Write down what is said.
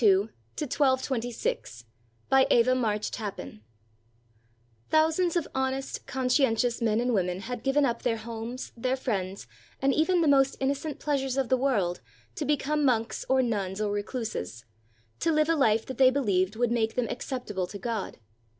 ST. FRANCIS OF ASSISI [1182 1226] BY EVA MARCH TAPPAN Thousands of honest, conscientious men and women had given up their homes, their friends, and even the most innocent pleasures of the world to become monks or nuns or recluses, to live a life that they beheved would make them acceptable to God.